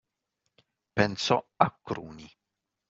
Pensò a Cruni.